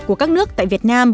của các nước tại việt nam